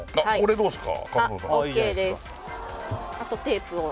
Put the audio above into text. どうですか？